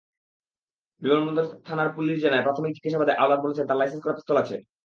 বিমানবন্দর থানার পুলিশ জানায়, প্রাথমিক জিজ্ঞাসাবাদে আওলাদ বলেছেন, তাঁর লাইসেন্স করা পিস্তল আছে।